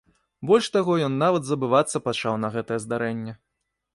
Больш таго, ён нават забывацца пачаў на гэтае здарэнне.